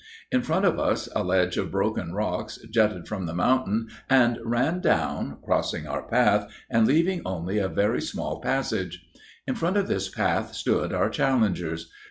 In front of us, a ledge of broken rocks jutted from the mountain and ran down, crossing our path, and leaving only a very small passage. In front of this path stood our challengers.